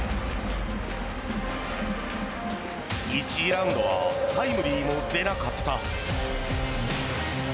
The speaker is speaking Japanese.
１次ラウンドはタイムリーも出なかった。